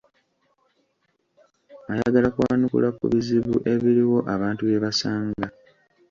Ayagala kwanukula ku bizibu ebiriwo abantu bye basanga.